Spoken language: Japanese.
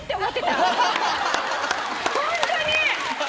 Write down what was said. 本当に！